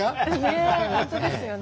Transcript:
ねえ本当ですよね。